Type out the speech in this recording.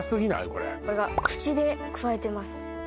これこれは口でくわえてます